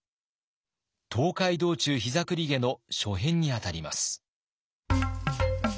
「東海道中膝栗毛」の初編にあたります。